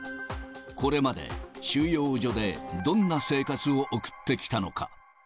これまで収容所でどんな生活を送ってきたのか。